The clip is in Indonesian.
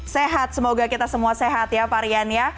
sehat semoga kita semua sehat ya pak rian ya